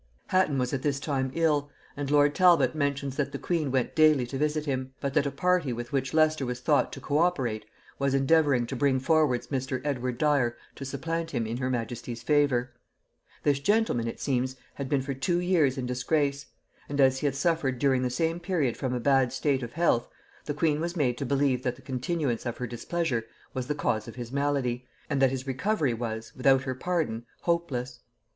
Hatton was at this time ill, and lord Talbot mentions that the queen went daily to visit him, but that a party with which Leicester was thought to co operate, was endeavouring to bring forwards Mr. Edward Dyer to supplant him in her majesty's favor. This gentleman, it seems, had been for two years in disgrace; and as he had suffered during the same period from a bad state of health, the queen was made to believe that the continuance of her displeasure was the cause of his malady, and that his recovery was without her pardon hopeless.